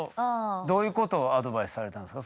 どういうことをアドバイスされたんですか？